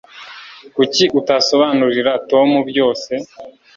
Kuki utasobanurira Tom byose